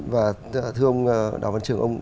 và thưa ông đào văn trường ông